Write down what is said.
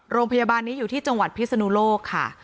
โรงพยาบาลนี้อยู่ที่จังหวัดพิศนุโลกค่ะ